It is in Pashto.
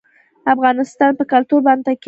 افغانستان په کلتور باندې تکیه لري.